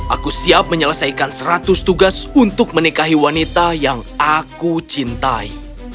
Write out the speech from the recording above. aku siap menyelesaikan seratus tugas untuk menikahi wanita yang aku cintai